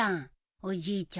おじいちゃん